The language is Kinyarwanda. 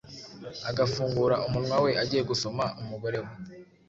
agafungura umunwa we agiye gusoma umugore we,